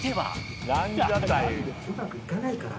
うまくいかないから。